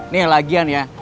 nih lagian ya